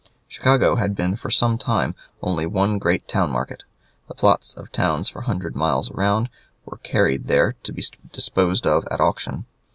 Chicago had been for some time only one great town market. The plots of towns for a hundred miles around were carried there to be disposed of at auction.